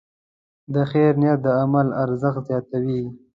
د خیر نیت د عمل ارزښت زیاتوي.